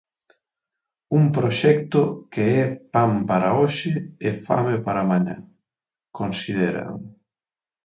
Un proxecto que é pan para hoxe e fame para mañá, consideran.